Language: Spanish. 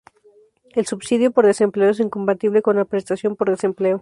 El subsidio por desempleo es incompatible con la prestación por desempleo.